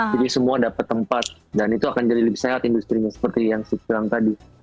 jadi semua dapat tempat dan itu akan jadi lebih sehat industri nya seperti yang sik bilang tadi